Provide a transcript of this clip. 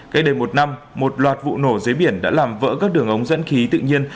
cách đây một năm một loạt vụ nổ dưới biển đã làm vỡ các đường ống dẫn khí tự nhiên